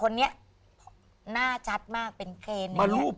คนนี้หน้าชัดมากเป็นเคน